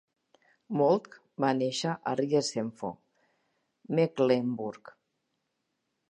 Moltke va néixer a Riesenhof, Mecklenburg.